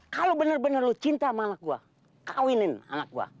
kalau bener bener lo cinta sama anak gue kawinin anak gue